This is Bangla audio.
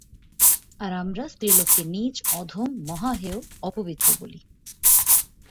আর আমরা স্ত্রীলোককে নীচ, অধম, মহা হেয়, অপবিত্র বলি।